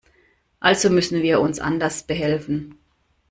Also müssen wir uns anders behelfen.